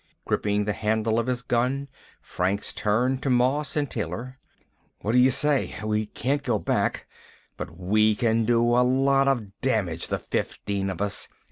Gripping the handle of his gun, Franks turned to Moss and Taylor. "What do you say? We can't go back, but we can do a lot of damage, the fifteen of us.